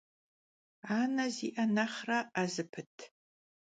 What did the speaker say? Ane zi'e nexhre 'e zıpıt.